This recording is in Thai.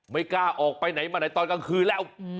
ไม่กล้าออกไปไหนมาไหนตอนกลางคืนแล้ว